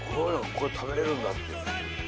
これ食べれるんだっていうね。